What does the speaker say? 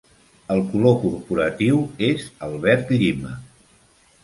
El color corporatiu és el verd llima.